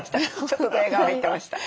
ちょっとドヤ顔入ってました。